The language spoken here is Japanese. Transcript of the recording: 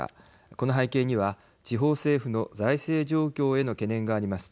この背景には、地方政府の財政状況への懸念があります。